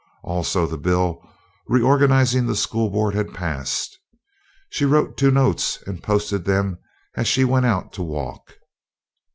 Also the bill reorganizing the school board had passed. She wrote two notes and posted them as she went out to walk.